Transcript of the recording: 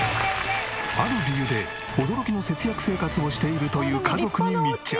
ある理由で驚きの節約生活をしているという家族に密着。